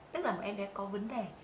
tức là một em bé có vấn đề